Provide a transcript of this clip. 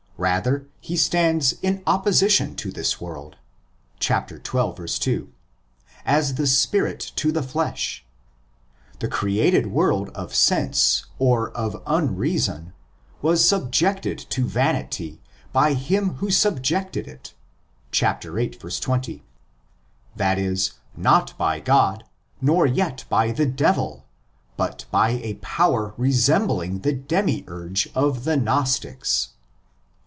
Rather he stands in opposition to this world (xii. 2), as the spirit to the flesh. The created world of sense or of unreason was subjected to vanity '"'by him who subjected it" (διὰ τὸν ὑποτάξαντα, viii. 20)—that is, not by God, nor yet by the devil, but by a power resem bling the demiurge of the Gnostics.